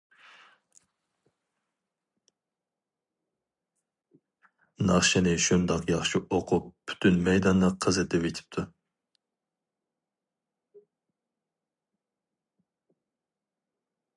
ناخشىنى شۇنداق ياخشى ئۇقۇپ پۈتۈن مەيداننى قىزىتىۋېتىپتۇ.